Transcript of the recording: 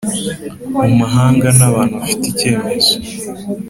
mu mahanga n abantu bafite icyemezo